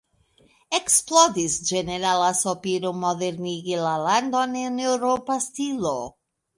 Eksplodis ĝenerala sopiro modernigi la landon en eŭropa stilo.